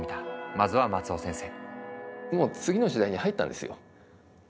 まずは松尾先生。